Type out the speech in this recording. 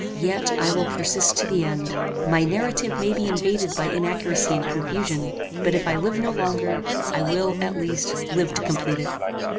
Yet I will persist to the end. My narrative may be invaded by inaccuracy and confusion; but if I live no longer, I will, at least, live to complete it.